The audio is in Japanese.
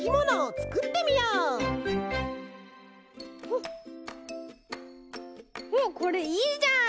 おっこれいいじゃん。